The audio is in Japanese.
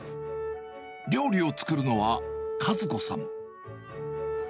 料理を作るのは、一子さん。